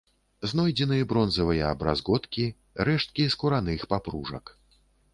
Знойдзены бронзавыя бразготкі, рэшткі скураных папружак.